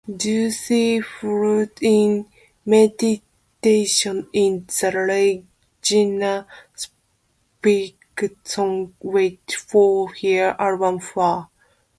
Juicy Fruit is mentioned in the Regina Spektor song Wallet, from her album Far.